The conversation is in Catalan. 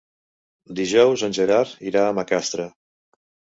Dijous en Gerard irà a Macastre.